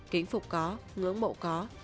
kính phục có ngưỡng mộ có